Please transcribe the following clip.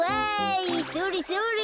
それそれ。